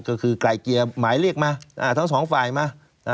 ก็คือไกลเกลี่ยหมายเรียกมาทั้งสองฝ่ายมา